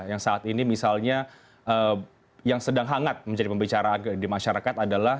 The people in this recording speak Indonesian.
yang saat ini misalnya yang sedang hangat menjadi pembicaraan di masyarakat adalah